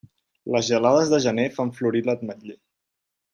Les gelades de gener fan florir l'ametller.